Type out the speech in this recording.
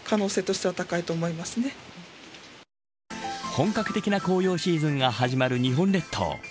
本格的な紅葉シーズンが始まる日本列島。